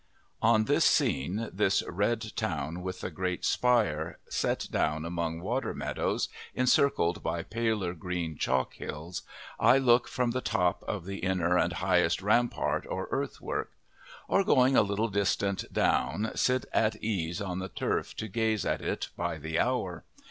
On this scene, this red town with the great spire, set down among water meadows, encircled by paler green chalk hills, I look from the top of the inner and highest rampart or earth work; or going a little distance down sit at ease on the turf to gaze at it by the hour.